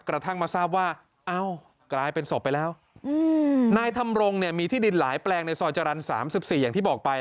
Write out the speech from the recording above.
กระทั่งมาทราบว่าเอ้ากลายเป็นศพไปแล้วนายทำรงเนี่ยมีที่ดินหลายแปลงในซอยจรรย์๓๔อย่างที่บอกไป